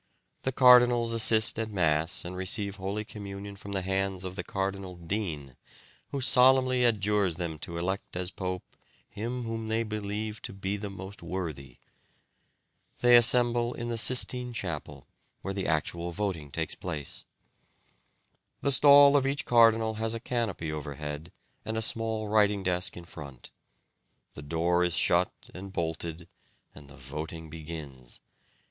The cardinals assist at Mass and receive holy communion from the hands of the Cardinal Dean, who solemnly adjures them to elect as pope him whom they believe to be the most worthy. They assemble in the Sistine Chapel, where the actual voting takes place. The stall of each cardinal has a canopy overhead and a small writing desk in front. The door is shut and bolted and the voting begins.